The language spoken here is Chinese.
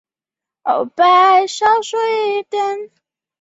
圣巴泰勒米领地委员会是法国海外行政区域圣巴泰勒米的立法机关。